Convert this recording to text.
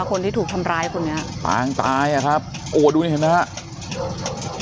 คนที่ถูกทำร้ายคนนี้ปางตายอ่ะครับโอ้ดูนี่เห็นไหมครับ